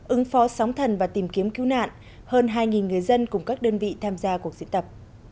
ứng phó sóng thần và tìm kiếm cứu nạn hơn hai người dân cùng các đơn vị tham gia cuộc diễn tập